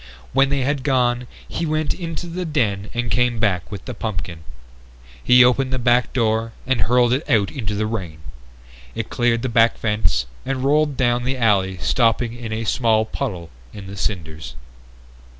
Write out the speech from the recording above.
When they had gone he went into the den and came back with the pumpkin. He opened the back door and hurled it out into the rain. It cleared the back fence and rolled down the alley stopping in a small puddle in the cinders.